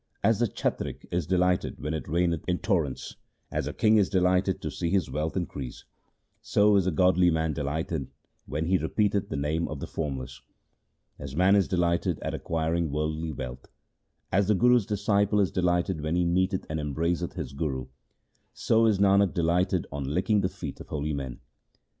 As the chatrik is delighted when it raineth in torrents, As a king is delighted to see his wealth increase, So is a godly man delighted when he repeateth the Name of the Formless. As man is delighted at acquiring worldly wealth, As the Guru's disciple is delighted when he meeteth and embraceth his Guru, So is Nanak delighted on licking the feet of holy men.